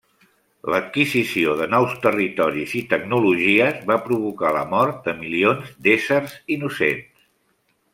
L'adquisició de nous territoris i tecnologies va provocar la mort de milions d'éssers innocents.